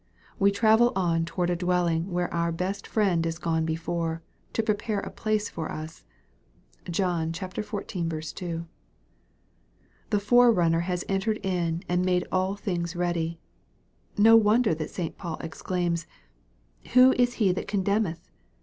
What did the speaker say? We travel on toward a dwelling where our best Friend is gone before, to prepare a place for us. (John. xiv. 2.) The Forerunner has entered in and made all things ready, No wonder that St. Paul exclaims, " Who is He that eoudemneth